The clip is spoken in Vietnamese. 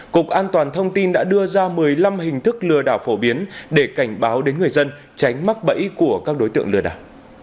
cục an toàn thông tin đã đưa ra một mươi năm hình thức lừa đảo phổ biến để cảnh báo đến người dân tránh mắc bẫy của các đối tượng lừa đảo